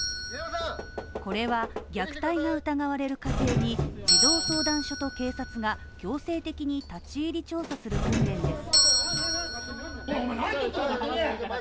これは虐待を疑われる家庭に児童相談所と警察が行政的に立ち入り調査する訓練です。